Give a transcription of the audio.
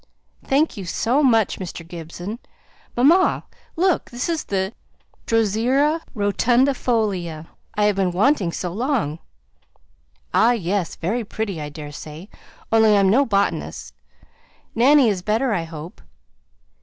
"Thank you, so much, Mr. Gibson. Mamma, look! this is the Drosera rotundifolia I have been wanting so long." "Ah! yes; very pretty I daresay, only I am no botanist. Nanny is better, I hope?